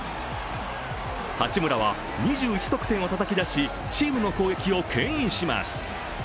八村は２１得点をたたき出し、チームの攻撃をけん引します。